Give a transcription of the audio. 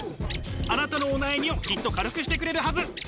あなたのお悩みをきっと軽くしてくれるはず。